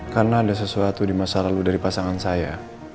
karena ada sesuatu di masa lalu dari pasangan saya